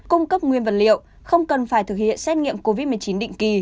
cung cấp nguyên vật liệu không cần phải thực hiện xét nghiệm covid một mươi chín định kỳ